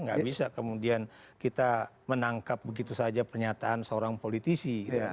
nggak bisa kemudian kita menangkap begitu saja pernyataan seorang politisi